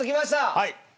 はい。